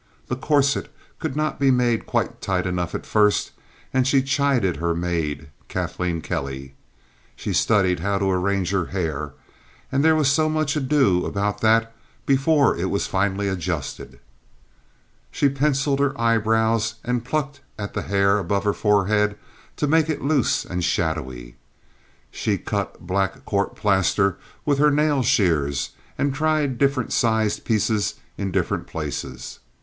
The corset could not be made quite tight enough at first, and she chided her maid, Kathleen Kelly. She studied how to arrange her hair, and there was much ado about that before it was finally adjusted. She penciled her eyebrows and plucked at the hair about her forehead to make it loose and shadowy. She cut black court plaster with her nail shears and tried different sized pieces in different places.